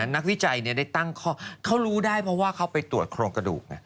นักวิจัยได้ตั้งข้อเขารู้ได้เพราะว่าเขาไปตรวจโครงกระดูก